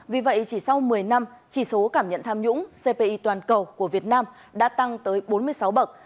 vì vậy chỉ sau một mươi năm chỉ số cảm nhận tham nhũng cpi toàn cầu của việt nam đã tăng tới bốn mươi sáu bậc